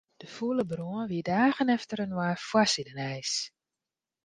De fûle brân wie dagen efterinoar foarsidenijs.